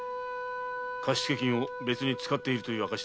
貸付金を別に使っているという証だ。